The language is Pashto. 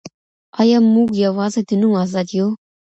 آیا موږ یوازې د نوم آزاد یو؟